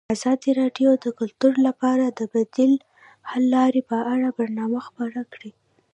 ازادي راډیو د کلتور لپاره د بدیل حل لارې په اړه برنامه خپاره کړې.